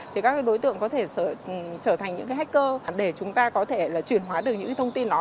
thì các đối tượng có thể trở thành những cái hacker để chúng ta có thể là chuyển hóa được những thông tin đó